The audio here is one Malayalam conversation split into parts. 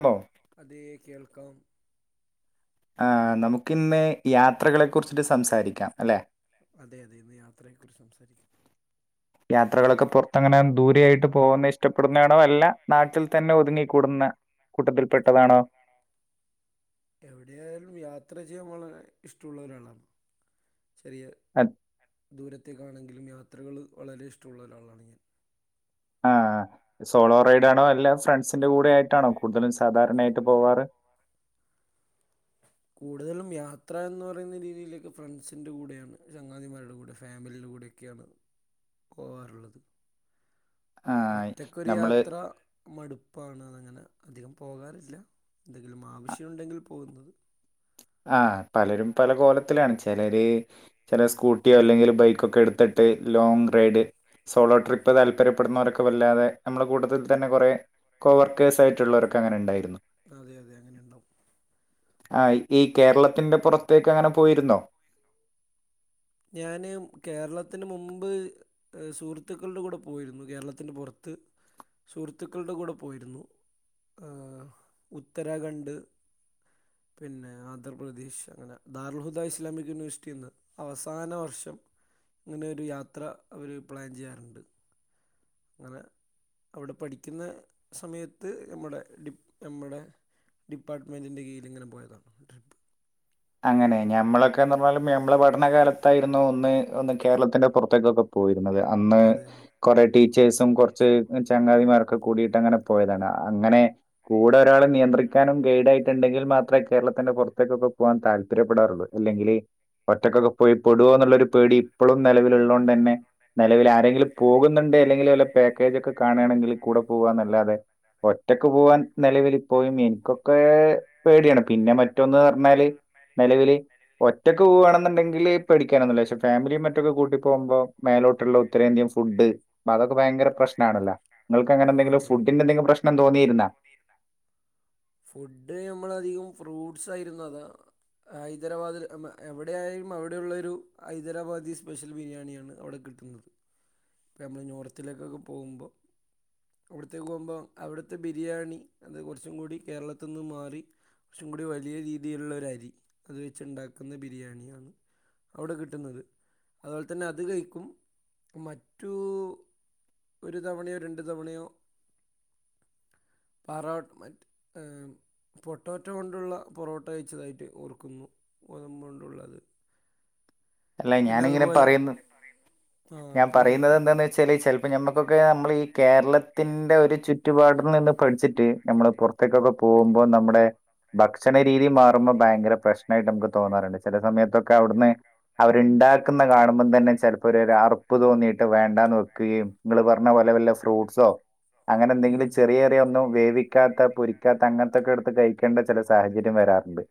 ആ അതേ കേൾക്കാം. നമുക്കിന്ന് യാത്രകളെ കുറിച്ചിട്ട് സംസാരിക്കാം അല്ലേ. അതെ അതെ ഇന്ന് യാത്രയെക്കുറിച്ച് സംസാരിക്കും. യാത്രകളൊക്കെ പുറത്ത്ങ്ങനെ ദൂരൊയിട്ട് പോകുന്ന ഇഷ്ടപ്പെടുന്നടോ അല്ല നാട്ടിൽ തന്നെ ഒതുങ്ങിക്കൂടുന്ന കൂട്ടത്തില് പെട്ടതാണോ. എവിടൊയാലും യാത്ര ചെയ്യാൻ വളരെ ഇഷ്ടമുള്ള ഒരാളാണ്. ചെറിയ അത്- ദൂരത്തേക്കാണെങ്കിലും യാത്രകൾ വളരെ ഇഷ്ടമുള്ള ഒരാളാണ് ഞാൻ. ആഹ സോളോ റൈഡ് ആണോ അല്ല ഫ്രണ്ട്സിന്റെ കൂടെ ആയിട്ടാണോ കൂടുതലും സാധാരണയായിട്ട് പോവാറ്. കൂടുതലും യാത്ര എന്ന് പറയുന്ന രീതിയിലൊക്കെ ഫ്രണ്ട്സിൻ്റെ കൂടെയാണ്, ചങ്ങാതിമാരുടെ കൂടെ ഫാമിലിയുടെ കൂടെയൊ ഒക്കായാണ് പോകറുള്ളത്, ആ, ഒറ്റക്കൊരു നമ്മള് യാത്ര മടുപ്പാണ് അങ്ങനെ അധികം പോകാറില്ല എന്തെങ്കിലും ആ ആവശ്യമുണ്ടെങ്കിൽ പോകുന്നത് ആ അങ്ങനെ പലരും പല കോലത്തിലാണ് ചിലര് ചില സ്കൂട്ടിയോ അല്ലെങ്കിൽ ബൈക്കൊക്കെ എടുത്തിട്ട് ലോങ്ങ് റൈഡ് സോളോ ട്രിപ്പ് അതെ താല്പര്യം പപ്പെടുന്നവരൊക്കെ വല്ലാതെ നമ്മൾ കൂട്ടത്തിൽ തന്നെ കുറെ കോവർക്കേഴ്സ് ആയിട്ടുള്ളവർക്കെ അങ്ങനെ ഉണ്ടായിരുന്നു അതെ അതെ അങ്ങനെ ഉണ്ടാവും ആയി ഈ കേരളത്തിന്റെ പുറത്തേക്ക് അങ്ങനെ പോയിരുന്നോ? ഞാന് കേരളത്തിന് മുമ്പ് ഏ സുഹൃത്തുക്കളുടെ കൂടെ പോയിരുന്നു കേരളത്തിന്റെ പുറത്ത് സുഹൃത്തുക്കളുടെ കൂടെ പോയിരുന്നു ഏഹ് ഉത്തരാഖണ്ഡ് പിന്നെ ആന്ധാപ്രദേശ് അങ്ങനെ ദാൽഹുദ ഇസ്ലാമിക് യൂണിവേഴ്സിറ്റിന്ന് അവസാന വർഷം ഇങ്ങനെ ഒരു യാത്ര അവർ പ്ലാൻ ചെയ്യാറുണ്ട് അങ്ങനെ അവിടെ പഠിക്കുന്ന സമയത്ത് നമ്മടെ ഡി നമ്മുടെ ഡിപ്പാർ്മെൻറിൻറെ കീഴിലിങ്ങനെ പോയതാണ് ട്രിപ്പ് അങ്ങനെ ഞമ്മളൊക്കെന്ന് പറഞ്ഞാലും ഞമ്മളെ പഠനകാലത്തായിരുന്നു ഒന്ന് ഒന്ന് കേരളത്തിന്റെ പുറത്തേക്കൊക്കെ പോയിരുന്നത് അന്ന് അതെ അതെ കുറെേ ടീച്ചേഴ്സും കുറച്ച് ചങ്ങാതിമാരൊക്കെ കൂടിയിട്ട് അങ്ങനെ പോയതാണ് അങ്ങനെ കൂടെ ഒരാൾ നിയന്ത്രിക്കാനും ഗൈഡ് ആയിട്ടുണ്ടെങ്കിൽ മാത്രമേ കേരളത്തിന്റെ പുറത്തേക്കൊക്കെ പോവാൻ താല്പര്യപ്പെടാറുള്ളു അല്ലെങ്കിൽ ഒറ്റക്കൊക്കെ പോയി പെടുവോ എന്നുള്ളൊരു പേടി ഇപ്പളും നിലവിൽ ഉള്ളോണ്ടന്നെ നിലവിൽ ആരെങ്കിലും പോകുന്നുണ്ട് അല്ലെങ്കിലും വല്ല പാക്കേജ് ഒക്കെ കാണാണെങ്കിൽ കൂടെ പോവാന്നല്ലാതെ ഒറ്റക്ക് പോവാൻ നിലവിൽ ഇപ്പോഴും എനിക്കൊക്കെ പേടിയാണ് പിന്നെ മറ്റ്റൊന്ന് പറഞ്ഞാല് നിലവിൽ ഒറ്റക്കക് പോവാണെന്നുണ്ടെങ്കില് പേടിക്കാനൊന്നുല്ല, പക്ഷെ ഫാമിലിയും മറ്റൊക്കെ കൂട്ടി പോകുമ്പോ മേലോട്ടുള്ള ഉത്തരേന്ത്യൻ ഫുഡ് അതൊക്ക ഭയങ്കര പ്രശ്നണല്ലോ ആ നിങ്ങൾക്ക്ങ്ങെന്തെങ്കിലും അതെ ഫുഡി ന്റെ ന്തെങ്കിലും പ്രശ്‍നം തോന്നിയിരുന്നോ ഫുഡ് നമ്മൾ അധികം ഫ്രൂട്ട്സ് ആയിരുന്നു അതാ ഹൈദരാബാദിൽ അമ്മ എവിടെയായാലും അവിടെയുള്ളൊരു ഹൈദരാബാദി സ്പെഷ്യൽ ബിരിയാണിയാണ് അവിടെ കിട്ടുന്നത് ഇപ്പോൾ നമ്മൾ നോർത്തിലേക്കൊക്കെ പോവുമ്പോൾ അവിടുത്തേക്ക് പോകുമ്പോൾ അവിടുത്തെ ബിരിയാണി അത് കുറച്ചും കൂടി കേരളത്ത്ന്ന് മാറി കുറച്ചും കൂടി വലിയ രീതിയിലുള്ള ഒരു അരി അത് വെച്ചുണ്ടാക്കുന്ന ബിരിയാണിയാണ്. അവിടെ കിട്ടുന്നത് അതുപോലെ തന്നെ അത് കഴിക്കും മറ്റ് റ്റു ഒരു തവണയോ രണ്ട് തവണയോ പാറാട്ട് മറ്റ് ഏഹ് പൊട്ടോറ്റൊ കൊണ്ടുള്ള പൊറോട്ട കഴിച്ചതായിട്ട് ഓർക്കുന്നു, ഗോതമ്പു കൊണ്ടുള്ളത്. അല്ല പിന്നെ ഞാനിങ്ങനെ അതുപോലെ പറയുന്നു, ആ ഞാൻ പിന്നെ പറയുന്നത് എന്താന്ന് വെ ചാൽ ചിലപ്പോ ഞമ്മക്കൊക്കെ നമ്മൾ ഈ കേരളത്തിന്റെ ഒരു ചുറ്റുപാടി നിന്ന് പഠിച്ചിട്ട് നമ്മള് പുറത്തേക്കൊക്കെ പോകുമ്പോ നമ്മുടെ ഭക്ഷണ രീതി മാറുമ്പോൾ ഭയങ്കര പ്രശ്നമായിട്ട് നമുക്ക് തോന്നാറുണ്ട് ചില സമയത്തൊക്കെ അവിടുന്ന് ഭ അവര്ണ്ടാക്കുന്ന കാണുമ്പം തന്നെ ചിലപ്പോ ഒരു ഒരു അറപ്പ് തോന്നിയിട്ട് വേണ്ടാന്ന് വെക്കുകയും ഇങ്ങള് പറഞ്ഞ പോലെ വല്ല ഫ്രൂട്ട്സോ അങ്ങനെ എന്തെങ്കിലും ചെറിയ ചെറിയ ഒന്നും വേവിക്കാത്ത പൊരിക്കാത്ത അങ്ങനത്തൊക്കെ എടുത്ത് കഴിക്കേണ്ട ചില സാഹചര്യം വരാറുണ്ട്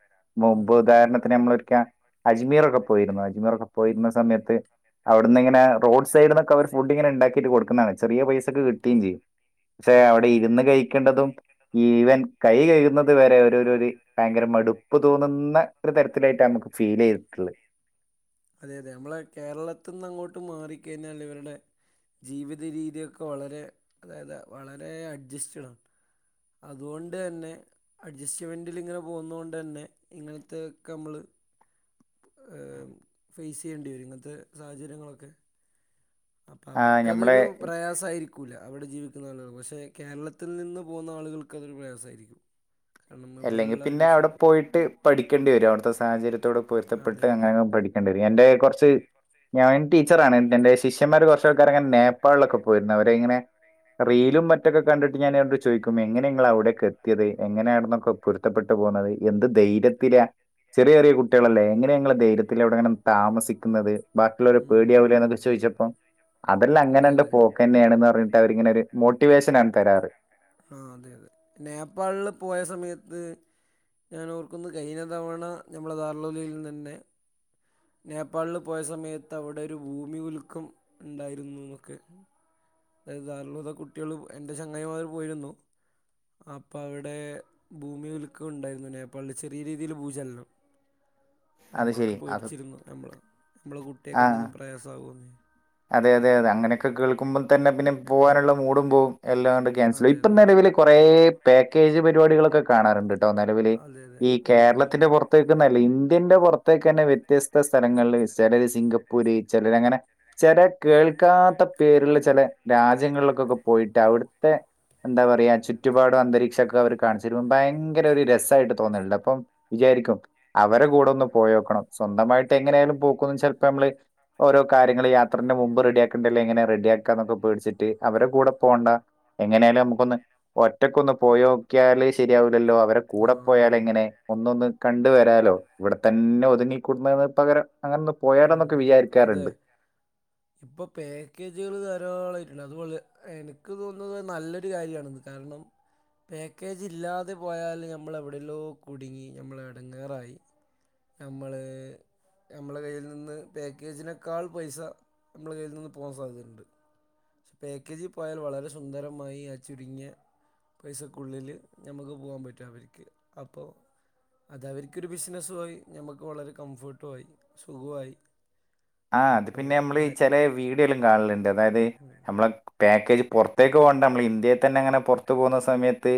ഉം, മുമ്പ് ഉം, ഉദാഹണത്തിന് നമ്മളൊര് ക്യാ അജ്മീറൊക്കെ പോയിരുന്നു അജ്മീറൊക്കെ ഉം, ഉം. പോയിരുന്ന സമയത്ത് അവിടുന്ന് ഇങ്ങനെ റോഡ് സൈഡിന്നൊക്കെ ഫുഡ് ഇങ്ങന ഇണ്ടാക്കിട്ട് കൊടുക്കുന്ന ആണ്, ചെറിയ പൈസക്ക് കിട്ടിം ചെയ്യും പക്ഷെ ആ അവിടെ ഇരുന്ന് ആ. കഴിക്കേണ്ടതും ഈവൻ കൈ കഴുകു ന്നത് വരെ ഓരോര് ഭയങ്കര മടു പ്പ് തോന്നുന്ന ഒരു തരത്തിലായിട്ട നമുക്ക് ഫീൽ ചെയ്തിട്ടുള്ളത്. അതെ അതെ നമ്മെളെ കേരളത്തിന്ന് അങ്ങോട്ട് മാറിക്കഴിഞ്ഞാൽ ഇവരുടെ ജീവിതരീതിയൊക്കെ വളരെ അതായത് വളരെ അഡ്ജസ്റ്റഡാണ്. അതുകൊണ്ട് തന്നെ അഡ്ജസ്റ്റ്മെന്റിലിങ്ങനെ പോവുന്നോണ്ട് തന്നെ ഇങ്ങനത്തോക്കെ നമ്മള്. ഫേസ് ചെയ്യേണ്ടി വരും ഇങ്ങനത്തെ സാഹചര്യങ്ങളൊക്കെ. അപ്പൊ ആ നമ്മളെ അവർക്കതൊരു പ്രയാസായിരി ക്കൂല അവിടെ ജീവിക്കുന്ന ആളുകൾക്ക് പക്ഷെ കേരളത്തിൽ നിന്ന് പോകുന്ന ആളുകൾക്ക് അതൊരു പ്രയാസായിരിക്കും. അല്ലെങ്കി പിന്നെ അവിടെ പോയിട്ട് പഠിക്കേണ്ടി വരും അവിടുത്തെ സാഹചര്യത്തോട് പൊരുത്തപ്പെട്ട് അതെ അതെ അങ്ങനങ് പഠി കണ്ടി വരും എന്റെ കുറച്ച്. ഞാനും ടീച്ചറാണ് എന്റെ ശിഷ്യന്മാർ കുറച്ച് ആൾക്കാരൊക്കെ നേപ്പാളിലൊക്കെ പോയിരുന്നു അവരെ ഇങ്ങനെ. റീലും മറ്റൊക്കെ കണ്ടിട്ട് ഞാനവരോട് ചോയിക്കും എങ്ങനെ നിങ്ങൾ അവിടേക്ക് എത്തിയത് എങ്ങനെയായിരുന്നു. ഇപ്പൊ പൊരുത്തപ്പെട്ട് പോകുന്നത് എന്ത് ധൈര്യത്തില ചെറിയ ചെറിയ കുട്ടികളല്ലേ എങ്ങനെ ഇങ്ങള് ധൈര്യ ത്തിലവിടങ്ങനെ താമസി ത്തിക്കുന്നത് ബാക്കിയുളോരെ പേടിയാവുലേ മറ്റുള്ളവരെ എന്നൊക്കെ ചോദിച്ചപ്പോ അതെല്ലാം അങ്ങനെ അതെ അഡ് അതെ പോ ക്കന്നേണ്ന്ന് പറഞ്ഞിട്ട് അവരിങ്ങനെ ഒരു മോട്ടിവേഷനാണ് തരാറ്. ആഹ് അതെ അതെ നേപ്പാളില് പോയ സമയത്ത് ഞാൻ ഓർക്കുന്നു കഴിഞ്ഞ തവണ ഞമ്മളെ [unintelligible] നിന്ന് തന്നെ. നേപ്പാളിൽ പോയ സമയത്ത് അവിടെ ഒരു ഭൂമി കുലുക്കം ഉണ്ടായിരുന്നു എന്നൊക്കെ. [unintelligible] കുട്ടികളും എന്റെ ചങ്ങായിമാർ പോയിരുന്നു. അപ്പ അവിടെ ഭൂമി കുൽക്കുണ്ടായിരുന്നു നേപ്പാളിൽ ചെറിയ രീതിയിൽ ഭൂചലനം. അത് നമ്മളൊക്കെ ശരി അത് പേടിച്ചിരുന്നു നമ്മള് നമ്മളെ കുട്ടിയാക്ക് ആ എന്തെങ്കിലും പ്രയാസാകുമോന്ന്? അതെ അതെ അതെ അങ്ങനെയൊക്കെ കേൾക്കുമ്പോം തന്നെ പിന്നെ പോവാനുള്ള മൂടും പോവും എല്ലാം കൊണ്ട് ക്യാൻസൽ അതെ ഇപ്പ അതെ നിലവിൽ. കുറേ പാക്കേജ് പരിപാടികളൊക്കെ കാണാറുണ്ട് ട്ടോ നിലവൽ അതെ അതെ ഈ ഉം, ഉം. കേരളത്തിന്റെ പുറ പുറത്തേക്ക് ന്നല ഇന്ത്യന്റെ പുറത്തേക്ക് തന്നെ വ്യത്യസ്ത സ്ഥലങ്ങളിൽ ചിലര് സിംഗപ്പൂര് ചിലര് അങ്ങനെ ചില കേൾക്കാത്ത പേരിള്ള ചില രാജ്യങ്ങളിലൊക്കെ പോയിട്ട് അവിടുത്തെ. എന്താ പറയാ ചുറ്റുപാടും അന്തരീക്ഷൊക്കെ അവർ കാണിച്ച് തരുമ്പം ഭയങ്കര ഒരു രസായിട്ട് തോന്നലിണ്ട് അപ്പം വിചാരിക്കും. അവരെ കൂടെ ഒന്ന് പോയോക്കണം സ്വന്തമായിട്ട് എങ്ങനെയാലും. പ പോക്കുന്ന ചിലപ്പോ നമ്മള് ഓരോ കാര്യങ്ങള് യാത്രന്റെ മുമ്പ് റെഡിയാക്കണ്ടേ എല്ലാ എങ്ങനെ റെഡിയാക്കാ എന്നൊകെ പേടിച്ചിട്ട് ട്ട് അവരെ കൂടെ പോണ്ട എങ്ങനെലും നമുക്കൊന്ന് ഒറ്റക്കൊന്ന് പോയോ ക്കിയാള് ശരിയാവില്ലല്ലോ അവരെ ആ കൂടെ ആ, പോയാല് ആ. എങ്ങനെ? ഒന്നൊന്ന് കണ്ട് വരാലോ ഇവിടെ തന്നെ ഒതുങ്ങിക്കൂടുന്നതിന് പകരം. അങ്ങനെ ഒന്ന് പോയാലോന്നൊക്കെ വിചാരിക്കാറിണ്ട്. ഇപ്പ പാക്കേജുകള് ധാളമായിട്ട്ല്ലെ അതുപോലെ എനക്ക് തോന്നത് നല്ലൊരു കാര്യണ്ന് കാര്ണം പാക്കേജ് ഇല്ലാതെ പോയാല് ഞമ്മള് എവിടെല്ലോ കുടുങ്ങി ഞമ്മള് എടങ്ങേറായി ഞമ്മള് ഞമ്മളെ കയ്യി നിന്ന് പേക്കേജിനേക്കാൾ പൈസ നമ്മളെ കയ്യിൽ നിന്ന് പോവാൻ സാധ്യത ഇണ്ട്. പാക്കേജി പോയാൽ വളരെ സുന്ദരമായി ആ ചുരുങ്ങിയ പൈസക്കുള്ളില് ഞമ്മക്ക് പോകാ പറ്റും അവര്ക്ക് അപ്പോ അത് അവര്ക്കൊരു ബിസിനസു ആയി ഞമ്മക്ക് വളരെ കംഫോർട്ടു ആയി സുഖവു ആയി. ആഹ് അത് പിന്നെ അമ്മള് ചെലെ വീഡിയോലും കാണലിണ്ട് അതായത് നമ്മളെ പാക്കേജ് പൊറത്തേക്ക് പോണ്ട അമ്മള് ഇന്ത്യയി തെന്നെ ങ്ങനെ പൊറത്ത് പോണ സമയത്ത്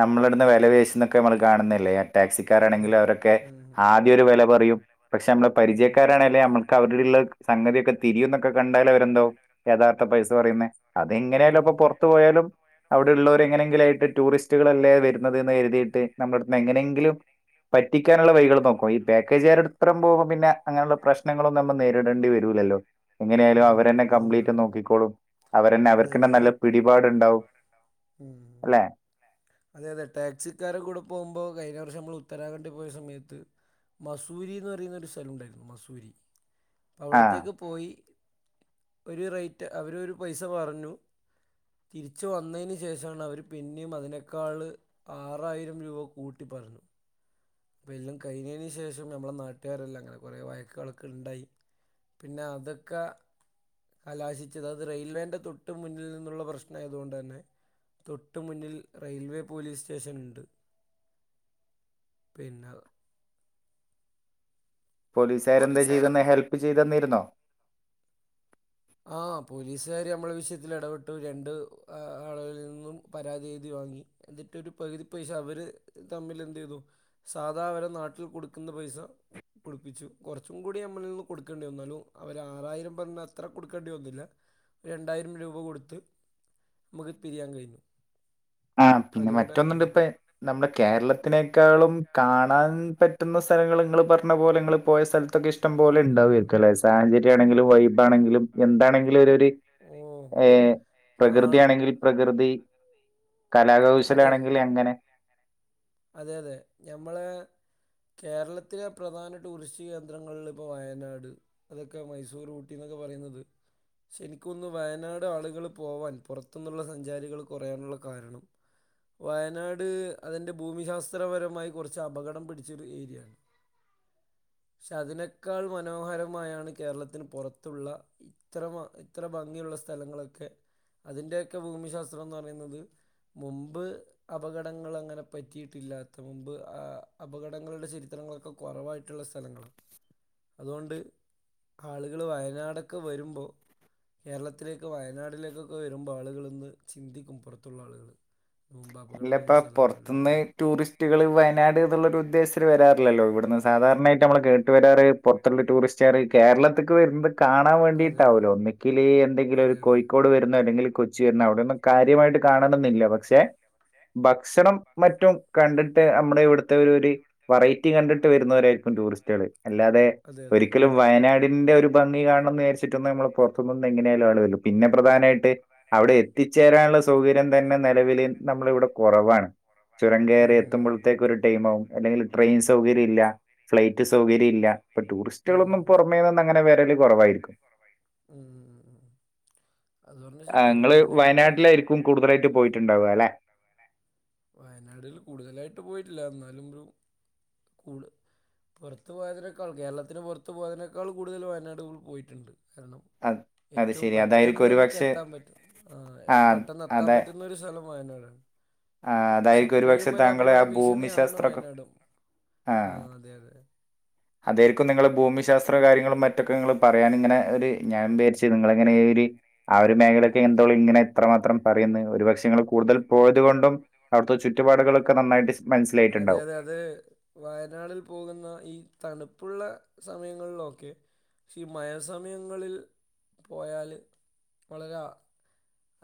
നമ്മളളിട്ന്ന് വെല പേശുന്നൊക്ക നമ്മള് കാണുന്നില്ലേ ടാക്സി ഉം ഉം ഉം ഉം കാരാണെങ്കിൽ അവരൊക്കെ ഉം ഉം ഉം ആദ്യം ഉം ഒരു ഉം വെല പറയും പക്ഷെ അമ്മള് ഉം പരിചയക്കാരാണെലെ അമ്മള് കൗത്കെളേഹ് സംഗതിക്കെ തിരിയുന്നൊക്കെ ക്കെ കണ്ടാലും അവരെ എന്താവും യഥാർത്ഥ പൈസ പറയുന്നെ അത് എങ്ങനായാലു അപ്പൊ പൊറത്തു പോയാലും അവിടെള്ളോര് എങ്ങനെങ്കിലും ആയിട്ട് ടൂറിസ്റ്റുകളല്ലേ വെരുന്നത് കരുതീട്ട് നമ്മളെടുത് ന്ന് എങ്ങനെങ്കിലും. പറ്റിക്കാൻ ഇള്ള വൈകൾ നോക്കും ഈ പാക്കേജ് ആരെ [unintelligible] പിന്നെ അങ്ങനെള്ള പ്രശ് നങ്ങള് എന്നുള്ള നേരിടേണ്ടി വെരൂല്ലല്ലോ എങ്ങനെയ ആായാലും അവരന്നെ അത് കംപ്ലീറ്റ് നന്നാവും നോക്കിക്കോളും. അവരെന്നെ അതെ അവർക്കെ അതെ ഈ നല്ല പിടിപാടിണ്ടാവും. ഉം. അല്ലെ? അതെ അതെ ടാക്സിക്കാരെ കൂടെ പോമ്പോ കഴിഞ്ഞ വർഷം അമ്മള് ഉത്തരാഖണ്ഡിൽ പോയ സമയത്ത് മസൂരി എന്ന് പറയുന്ന ഒരു സ്ഥലുണ്ടായിരുന്നു മസൂരി.. പ്പ ആ അവിടുത്തേക്ക് പോയി ഒരു റേറ്റ് അവര് ഒരു പൈസ പർണു.?. തിരിച്ച് വന്നെന് ശേഷണ് അവര് പിന്നേം അതിനെ ക്കാള് ആറായിരം രൂപ കൂട്ടി പറഞ്ഞു. പ്പ എല്ലം കഴിഞ്ഞെന് ശേഷം ഞമ്മളെ നാട്ടുകാരെല്ലാം അങ്ങനെ കുറേ വായക്കുകളൊക്കെ ണ്ടായി പിന്നെ അതക്കാ കലാശിച്ചത് അത് റെയിൽവേന്റെ തൊട്ട് മുന്നിൽ നിന്നുള്ള പ്രശ്നം ആയതുകൊണ്ട് ന്നെ തൊട്ടു മുന്നിൽ റെയിൽവേ പോലീസ് സ്റ്റേഷൻ ണ്ട്. പിന്ന പോലീസാര് എന്താ ചെയ്തെന്ന് ഹെൽപ്പ് ചെയ്ത് ന്നിര്ന്നോ? ആ പോലീസുകാർ നമ്മള വിഷയത്തി എടപെട്ടു രണ്ട് ആളുകളിൽ നിന്നും പരാതി എഴുതി വാങ്ങി. എന്നിട്ട് ഒരു പകുതി പൈസ അവര് തമ്മിൽ എന്ത് യ്തു സാധാ അവരെ നാട്ടിൽ കൊട്ക്ക്ന്ന പൈസ കൊടുപ്പിച്ചു കൊറച്ചും കൂടി അമ്മിളി നിന്ന് കൊടുക്കേണ്ടി വന്നു ന്നാലും അവര് ആറായിരം പർണ ത്ര കൊടുക്കേണ്ടി വന്നില്ല രണ്ടായിരം രൂപ കൊടുത്ത് മക്ക് പിരിയാ കയിഞ്ഞു. ആഹ് പിന്നെ മറ്റൊന്ന്ണ്ട് പ്പേ നമ്മ്ടെ കേരളത്തിനേക്കാളും കാണാൻ പറ്റുന്ന സ്ഥലങ്ങൾ ഇങ്ങള് പർണ പോലെ ഇങ്ങള് പോയ സ്ഥലത്തൊക്കെ ഇഷ് ഷ്ട്ടം പോലെ ഉം. ണ്ടാവാര്ക്കും ല്ലെ സാചര്യണെങ്കിലും വൈബ് ആണെങ്കിലും എന്താണെങ്കിഒരു ഒര് ഓ ഏഹ് പ്രകൃതി കാണാൻ ആണെങ്കിൽ പ്രകൃതി കലാകൗശല ആണെങ്കില് എങ്ങനെ അത അതെ ഞമ്മളെ കേരളത്തിലെ പ്രധാന ടൂറിസ്റ്റ് കേന്ദ്രങ്ങളിൽ ഇപ്പോൾ വയനാട് അതൊക്കെ മൈസൂർ ഊട്ടി ന്നൊക്കെ പറയ്ന്നത്. ശനിക്കൊന്ന് വയനാട് ആളുകൾ പോവാൻ പൊറത്തുന്ന്ള്ള സഞ്ചാരികൾ കൊറയാനുള്ള കാരണം വയനാട് അതിന്റെ ഭൂമിശാസ്ത്രപരമായി കൊറച്ച് അപകടം പിടിച്ചൊരു ഏര്യണ്.. ഷെ അതിനേക്കാൾ മനോഹരമായാണ് കേരളത്തിന് പൊറത്തുള്ള ഇത്ര മ ഇത്ര ഭംഗിയുള്ള സ്ഥലങ്ങളൊക്കെ അതിൻ്റെയൊക്കെ ഭൂമിശാസ്ത്രം ന്ന് ന്നറീന്നത് മുമ്പ് അപകടങ്ങൾ അങ്ങനെ പറ്റിയിട്ടില്ലാത്ത മൻപ് അപകടങ്ങളുടെ ചരിത്രങ്ങളൊക്കെ കുറവായിട്ടുള്ള സ്ഥലങ്ങ അതുകൊണ്ട് ആളുകൾ വയനാടൊക്കെ വരുമ്പോ കേരളത്തിലേക്ക് വയനാടിലേക്കൊക്കെ വരുമ്പോൾ ആളുകളന്ന് ചിന്തിക്കും പുറത്തുള്ള ആളുകൾ മുമ്പ് അപകടം അല്ലപ്പ വന്ന സ്ഥലമാണല്ലോ പുറത്തുനിന്ന് ടൂറിസ്റ്റുകൾ വയനാട് എന്നുള്ളരു ഉദ്ദേശത്തിന് വരാറില്ലല്ലോ ഇവിടുന്ന് സധാരണായിട്ട് നമ്മള് കേട്ട് വരാറ് പുറത്തുള്ള ടൂറിസ്റ്ററ് കേരളത്ത്ക്ക് എന്ന് വരുന്നത് കാണാൻ അതെ വേണ്ടിട്ടാവല്ലോ ഒന്നി ഒൽ എന്തെങ്കിലും അതെ ഒരു അതെ കോഴിക്കോട് വരുന്നോ അല്ലെങ്കിൽ കൊച്ചി വരുന്നോ അവിടെയൊന്നും കാര്യമായിട്ട് കാണണന്നില്ല പക്ഷെ ഭക്ഷണം മറ്റും കണ്ടിട്ട് നമ്മുടെ ഇവിടുത്തെ ഒരു ഒരു വെറൈറ്റി കണ്ടിട്ട് വരുന്നവരായിരിക്കും ടൂറിസ്റ്റുകള് അല്ലാതെ അതെ അതെ ഒരിക്കലും വയനാടിന്റെ ഒരു ഭംഗി കാണണംന്ന് വിചാരിച്ചിട്ടൊന്ന് നമ്മൾ പുറ നടത്ത എങ്ങനെയാലും ആളുവരു പിന്നെ പ്രധാനമായിട്ട് അവിടെ എത്തിച്ചേരാനുള്ള സൗകര്യം തന്നെ നിലവിൽ നമ്മള ഇവിടെ കുറവാണ് ചുരം ഉം കയറി ഉം ഉം. എത്തുമ്പോഴത്തേക്ക ഒരു ടൈംമാകും അല്ലെങ്കിൽ ട്രെയിൻ സൗകര്യം ഇല്ല ഫ്ലൈറ്റ് സൗകര്യം ഇല്ല ഇപ്പൊ ഉം ടൂറിസ്റ്റുകളൊന്നും ഉം. പുറമേ നിന്ന് അങ്ങനെ വരല് കുറവായിരിക്കും ഉം ഉം അത് പറഞ്ഞ ആഹ് ശരിയാണ് ങ്ങള് പിന്നെ അവിടുത്തെ വയനാട്ടിലായിരിക്കും കൂടുതലായിട്ട് പോയിട്ടുണ്ടാവുക അല്ലെ വയനാടില് കൂടുതലായിട്ട് പോയിട്ടില്ല എന്നാലും ഒരു കൂട് പുറത്ത് പോയതിനേക്കാൾ കേരളത്തിന് പുറത്ത് പോയതിനേക്കാൾ കൂടുതൽ വയനാട് പോയിട്ടുണ്ട് കാരണം അത് അത് ഏറ്റവും ശരി. അതായിരിക്കും പെട്ടെന്ന് നമുക്ക് ഒരുപക്ഷേ എത്താൻ പറ്റും ആഹ് പെട്ടെന്ന് എത്താൻ പറ്റുന്ന ഒരു സ്ഥലം വയനാടാണ് ആ, അതായിരിക്കും ചെപ്പോഴും ഒരുപക്ഷെ വരാൻ ഒരു താങ്കൾ അപകട ആ ഭീഷണിയാണ് ഭൂമിശാസ്ത്ര വയനാടും ആ അതെ അതെ അതായിരിക്കും നിങ്ങൾ ഭൂമിശാസ്ത്ര കാര്യങ്ങളും മറ്റൊക്കെ നിങ്ങൾ പറയാന ഇങ്ങനെ ഒരു ഞാൻ വിചരിച്ചു നിങ്ങളങ്ങനെ ഒരു ആ ഒരു മേഖലയൊക്കെ എന്തോളും ഇങ്ങനെ എത്രമാത്രം പറയന്ന് ഒരു പക്ഷെ നിങ്ങൾ കൂടുതൽ പോയത് കൊണ്ടും അവിടുത്തെ ചുറ്റുപാടുകളൊക്കെ നന്നായിട്ട് സ് അതെ മനസ്സിലായിട്ടുണ്ടാവും അതെ അത വയനാടിൽ പോകുന്ന ഈ തണുപ്പുള്ള സമയങ്ങളിൽ ഓക്കെ പക്ഷെ ഈ മയസമയങ്ങളിൽ പോയാല് വളരെ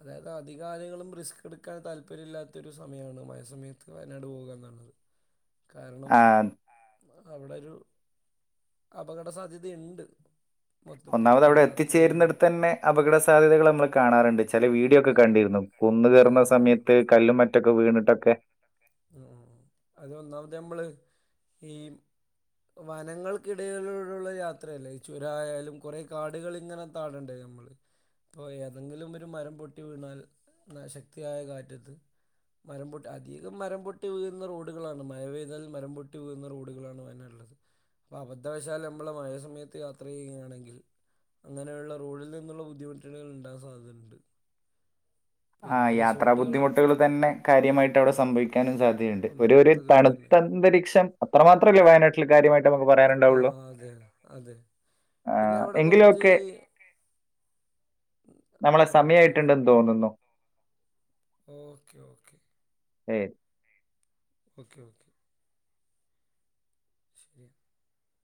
അതായത് അധികാലങ്ങളും റിസ്ക് എടുക്കാൻ താല്പര്യമില്ലാത്തൊരു സമയമാണ് മയ സമയത്ത് വയനാട് പോകുക എന്നുള്ളത് [inaudible] കാരണം ആ അവിടെരു അപകട സാധ്യത ഉണ്ട് ഒന്നാമത് അവിടെ എത്തിച്ചേരുന്നിടുത്ത് തന്നെ അപകട സാധ്യതകൾ നമ്മൾ കാണാറുണ്ട് ചില വീടിയൊക്കെ അതെ കണ്ടിരുന്നു കൊന്ന് കയറുന്ന ആ സമയത്ത് കല്ലും മറ്റൊക്കെ വീണിട്ടൊക്കെ ഉ അതൊന്നാമത് നമ്മള് ഈ വനങ്ങൾക്കിടയിലൂടെയുള്ള യാത്രയല്ലേ ചുരായാലും കുറെ കാടുകൾ ഇങ്ങനെ കാട്ണ്ട നമ്മള് ഇപ്പോ ഏതെങ്കിലും ഒരു ഒരു മരം പൊട്ടി വീണാൽ ശക്തിയായ കാറ്റത്ത് മരം പൊട്ടി അധികം മരം പൊട്ടി വീഴുന്ന റോഡുകളാണ് മഴ പെയ്താൽ മരം പൊട്ടി വീകുന്ന റോഡുകളാണ് വയനാടുള്ളത് അപ്പൊ അബദ്ധവശാല നമ്മള് മഴയ സമയത്ത് യാത്ര ചെയ്യുകയാണെങ്കിൽ അങ്ങനെയുള്ള റോഡിൽ നിന്നുള്ള ബുദ്ധിമുട്ടുകൾണ്ടാൻ സാധ്യതയുണ്ട് ആ് പിന്നെ യാത്രാ റിസോർട്ടുകൾ ബുദ്ധിമുട്ടുകൾ തന്നെ കാര്യമായിട്ട് അവിടെ ഉം സംഭവിക്കാനും സാധ്യതയുണ്ട് ഉം, ഒരു ഒരു അതുപോലെ തന്നെ തണുത്തന്തരീക്ഷ അത്രമാത്രല്ലേ വയനാട്ടില് കാര്യമായിട്ട് നമുക്ക് ആ പറയാനുണ്ടാവുള്ളു അതെ അതെ പിന്നെ അവിടെ കുറച്ച് എങ്കിലുമൊക്കെ നമ്മളെ ഓക്കെ സമയായിട്ടുണ്ടെന്ന് തോന്നുന്നു ഓക്കെ ഓക്കെ ഏ ഓക്കെ ഓക്കെ ശരി